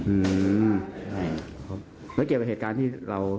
อือแล้วเกี่ยวกับเหตุการณ์ที่เรา